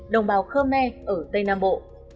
đồng bào khơ me ở tây nam bộ